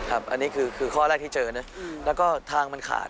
อันนี้คือข้อแรกที่เจอนะแล้วก็ทางมันขาด